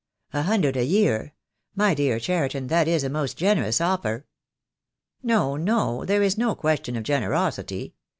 "A hundred a year! My dear Cheriton, that is a most generous offer." "No, no, there is no question of generosity.